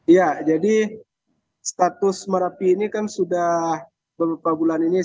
ya jadi status merapi ini kan sudah beberapa bulan ini